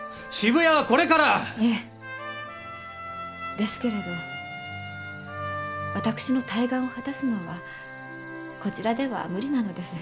ですけれど私の大願を果たすのはこちらでは無理なのです。